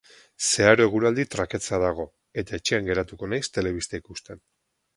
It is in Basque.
Zeharo eguraldi traketsa dago eta etxean geratuko naiz telebista ikusten.